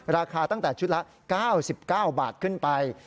ราคาตั้งแต่ชุดละ๙๙บาทขึ้นไป